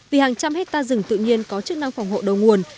vì hàng trăm hectare rừng tự nhiên có chức năng phòng hộ đầu nguồn